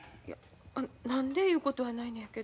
何でいうことはないのやけど。